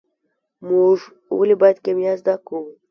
موږ ولې باید کیمیا زده کړو.